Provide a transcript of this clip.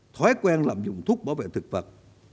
thói quen lạm dụng thuốc bảo vệ thực vật